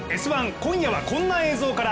今夜はこんな映像から。